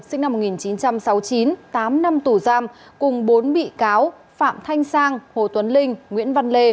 sinh năm một nghìn chín trăm sáu mươi chín tám năm tù giam cùng bốn bị cáo phạm thanh sang hồ tuấn linh nguyễn văn lê